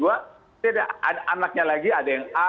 ada anaknya lagi ada yang a